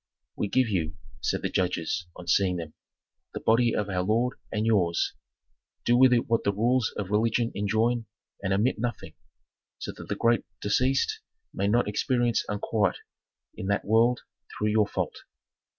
"We give you," said the judges, on seeing them, "the body of our lord and yours. Do with it what the rules of religion enjoin, and omit nothing, so that the great deceased may not experience unquiet in that world through your fault."